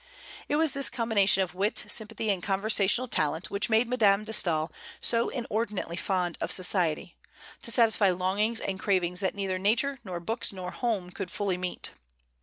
It was this combination of wit, sympathy, and conversational talent which made Madame de Staël so inordinately fond of society, to satisfy longings and cravings that neither Nature nor books nor home could fully meet.